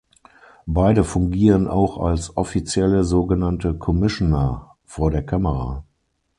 Beide fungieren auch als Offizielle, sogenannte "Commissioner", vor der Kamera.